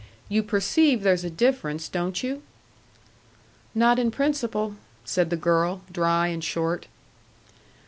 You perceive there's a difference, don't you?" "Not in principle," said the girl, dry and short.